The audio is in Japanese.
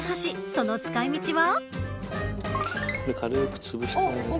その使いみちは。